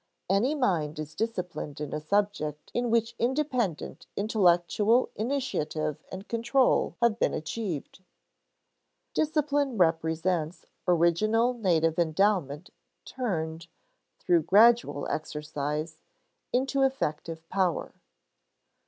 Any mind is disciplined in a subject in which independent intellectual initiative and control have been achieved. Discipline represents original native endowment turned, through gradual exercise, into effective power.